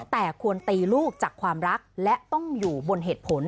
แต่ควรตีลูกจากความรักและต้องอยู่บนเหตุผล